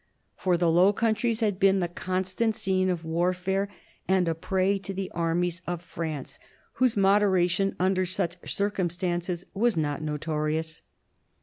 For the Low Countries had been the constant scene of warfare, and a prey to the armies of France, whose moderation under such circumstances was not notorious.